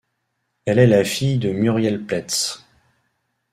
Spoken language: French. Elle est la fille de Muriel Pletts.